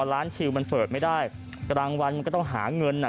ล้านคิวมันเปิดไม่ได้กลางวันมันก็ต้องหาเงิน